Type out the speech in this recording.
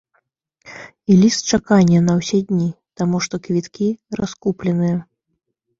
І ліст чакання на ўсе дні, таму што квіткі раскупленыя.